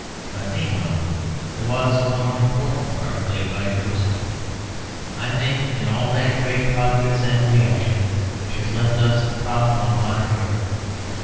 But meanwhile there was a more important part played by Jerusalem, I think, in all that great progress and reaction which has left us the problem of modern Europe.